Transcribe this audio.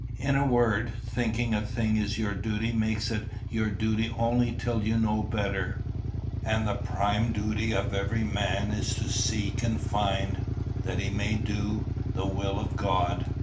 In a word, thinking a thing is your duty makes it your duty only till you know better. And the prime duty of every man is to seek and find, that he may do, the will of God."